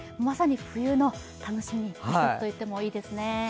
まさに冬の楽しみといってもいいですね。